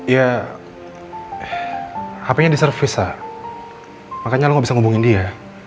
ya hp nya di servis sa makanya lo nggak bisa hubungin dia